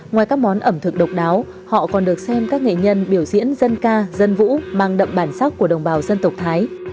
ngoài các món ẩm thực độc đáo họ còn được xem các nghệ nhân biểu diễn dân ca dân vũ mang đậm bản sắc của đồng bào dân tộc thái